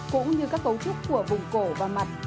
cũng như các cấu trúc của vùng cổ và mặt